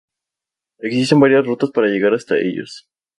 Existen varias rutas para llegar hasta ellos.